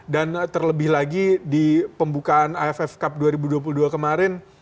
dan terlebih lagi di pembukaan aff cup dua ribu dua puluh dua kemarin